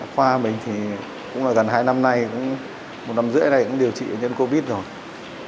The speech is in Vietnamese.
khoa mình thì cũng là gần hai năm nay một năm rưỡi ở đây cũng điều trị nhân covid rồi